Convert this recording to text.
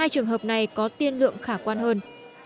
hai trường hợp này có tiên lượng khả quan hơn